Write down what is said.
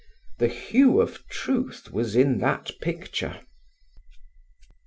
The hue of truth was in that picture.